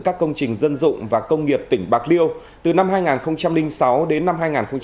các công trình dân dụng và công nghiệp tỉnh bạc liêu từ năm hai nghìn sáu đến năm hai nghìn một mươi